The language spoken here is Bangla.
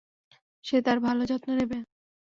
সে তার ভালো যত্ন নেবে।